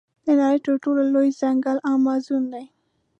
د نړۍ تر ټولو لوی ځنګل امازون دی.